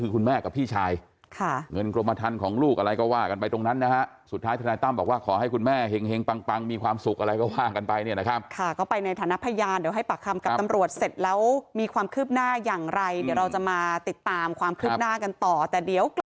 คุณแม่กับพี่ชายเงินกรมทัลของลูกอะไรก็ว่ากันไป